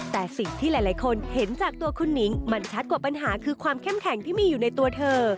แต่สิ่งที่หลายคนเห็นจากตัวคุณนิ้งมันชัดกว่าปัญหาคือความเข้มแข็งที่มีอยู่ในตัวเธอ